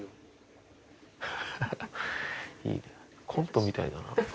コントみたいだな。